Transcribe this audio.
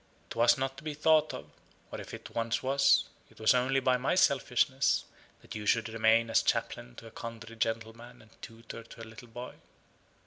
'Twas not to be thought of, or if it once was, it was only by my selfishness, that you should remain as chaplain to a country gentleman and tutor to a little boy.